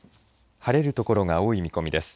晴れる所が多い見込みです。